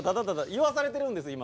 言わされてるんです今。